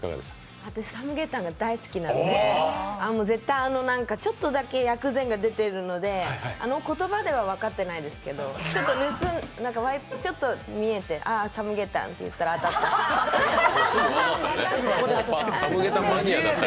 私、参鶏湯が大好きなのであのちょっとだけ薬膳が出てるのであの言葉では分かってないですけど、ちょっと見えて、ああ参鶏湯って言ったら当たっちゃった。